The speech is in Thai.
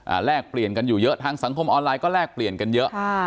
แลกเปลี่ยนกันอยู่เยอะทางสังคมออนไลน์ก็แลกเปลี่ยนกันเยอะอ่า